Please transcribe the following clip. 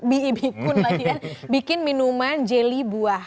bikin minuman jelly buah